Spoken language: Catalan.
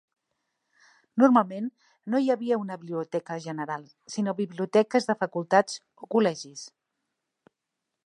Normalment no hi havia una biblioteca general sinó biblioteques de facultats o col·legis.